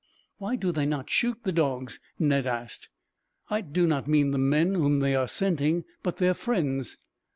"Why do they not shoot the dogs?" Ned asked. "I do not mean the men whom they are scenting, but their friends."